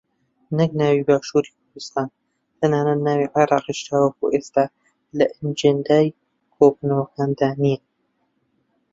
نەک ناوی باشووری کوردستان تەنانەت ناوی عێراقیش تاوەکو ئێستا لە ئەجێندای کۆبوونەوەکاندا نییە